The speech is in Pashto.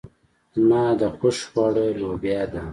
زما د خوښې خواړه لوبيا ده.